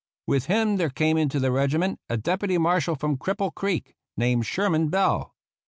With him there came into the regiment a deputy marshal from Cripple Creek named Sher man Bell.